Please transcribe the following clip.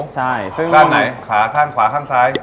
ใช่ซึ่งด้านไหนขาข้างขวาข้างซ้าย